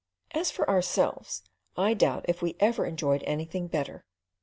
As for ourselves, I doubt if we ever enjoyed anything better.